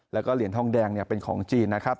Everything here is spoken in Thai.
แล้วก็เหรียญทองแดงเป็นของจีนนะครับ